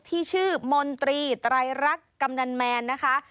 ที่ชื่อมนตรีไตรรักกำนันแมนนะคะ